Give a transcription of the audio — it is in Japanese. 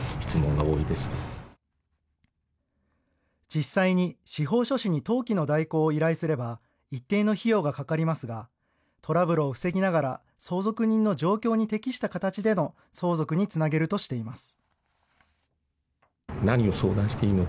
実際に司法書士に登記の代行を依頼すれば一定の費用がかかりますがトラブルを防ぎながら相続人の状況に適した形での相続につなげるとしています。